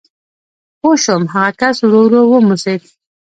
پوه شوم، هغه کس ورو ورو وموسېد.